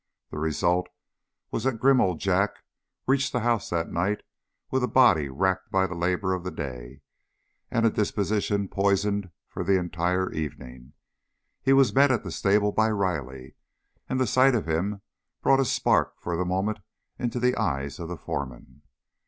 The result was that grim old Jack reached the house that night with a body racked by the labor of the day and a disposition poisoned for the entire evening. He was met at the stable by Riley, and the sight of him brought a spark for the moment into the eye of the foreman.